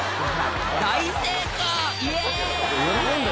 「大成功イエイ！」